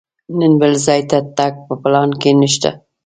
نن بل ځای ته تګ په پلان کې نه شته.